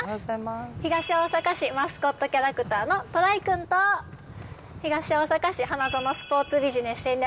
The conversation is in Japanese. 東大阪市マスコットキャラクターのトライくんと、東大阪市花園スポーツビジネス戦略